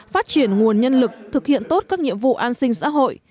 phát triển nguồn nhân lực thực hiện tốt các nhiệm vụ an sinh xã hội